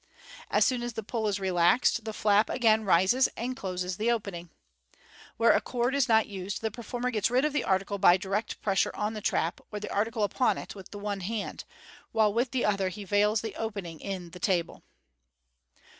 As soon as the pull is relaxed, the flap ag mi rises and closes the opening. Where a cord is not used, the performer gets rid of the article by direct pressure on the trap, or the article upo: it, with the one hand, while with the other he veils the opening in tie table.